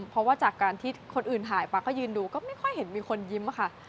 เพราะว่าจากการที่คนอื่นถ่ายป๊าก็ยืนดูก็ไม่ค่อยเห็นมีคนยิ้มค่ะ